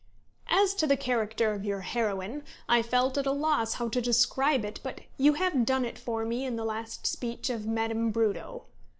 "As to the character of your heroine, I felt at a loss how to describe it, but you have done it for me in the last speech of Madame Brudo."